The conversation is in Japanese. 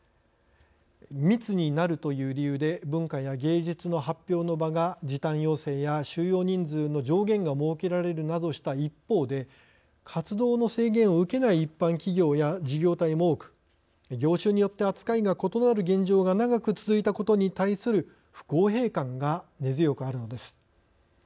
密になるという理由で文化や芸術の発表の場が時短要請や収容人数の上限が設けられるなどした一方で活動の制限を受けない一般企業や事業体も多く業種によって扱いが異なる現状が長く続いたことに対する不公平感が根強くあるのです。